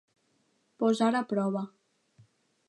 Posar a prova.